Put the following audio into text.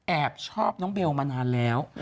แอบชอบน้องเบลมานานแล้ว